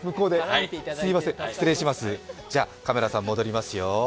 カメラさん、戻りますよ。